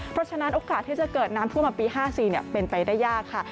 เพราะฉะนั้นโอกาสที่จะเกิดน้ำท่วมมาปี๕๔เป็นไปได้ยากค่ะ